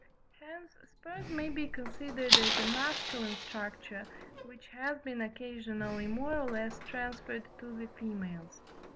Hence spurs may be considered as a masculine structure, which has been occasionally more or less transferred to the females.